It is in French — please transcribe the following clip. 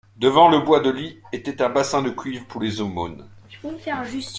Devant le bois de lit était un bassin de cuivre pour les aumônes.